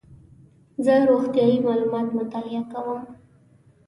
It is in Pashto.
زه روغتیایي معلومات مطالعه کوم.